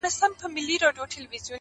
زه چي وګورمه تاته په لرزه سم،